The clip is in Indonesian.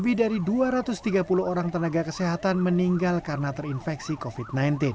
situas lapor covid sembilan belas mencatat lebih dari dua ratus tiga puluh orang tenaga kesehatan meninggal karena terinfeksi covid sembilan belas